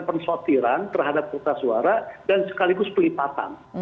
pensortiran terhadap kota suara dan sekaligus pelipatan